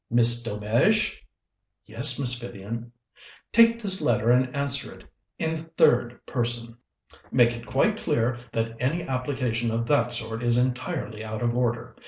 Miss Delmege!" "Yes, Miss Vivian?" "Take this letter and answer it in the third person. Make it quite clear that any application of that sort is entirely out of order.